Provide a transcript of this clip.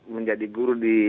menjadi guru di